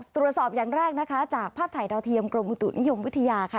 ตรวจสอบอย่างแรกนะคะจากภาพถ่ายดาวเทียมกรมอุตุนิยมวิทยาค่ะ